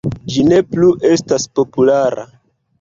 Ĝi ne plu estis populara.